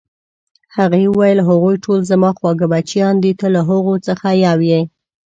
هغې وویل: هغوی ټول زما خواږه بچیان دي، ته له هغو څخه یو یې.